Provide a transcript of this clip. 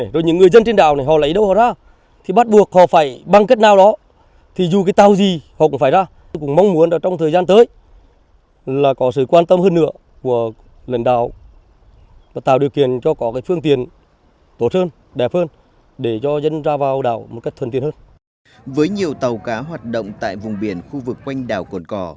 với nhiều tàu cá hoạt động tại vùng biển khu vực quanh đảo cồn cỏ